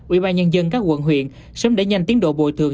ủy ban nhân dân các quận huyện sớm để nhanh tiến độ bồi thường